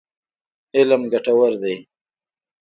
علم ګټور دی.